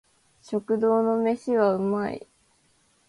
食堂の飯は美味い